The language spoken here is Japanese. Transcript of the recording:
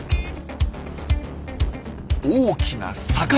大きな魚！